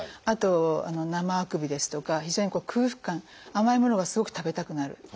あと生あくびですとか非常に空腹感甘いものがすごく食べたくなる。